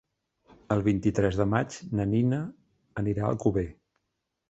El vint-i-tres de maig na Nina anirà a Alcover.